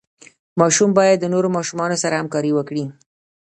ماشوم باید د نورو ماشومانو سره همکاري وکړي.